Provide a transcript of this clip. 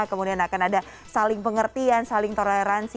kemudian akan ada saling pengertian saling toleransi